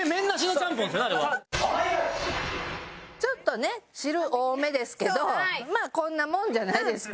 ちょっとね汁多めですけどまあこんなもんじゃないですか？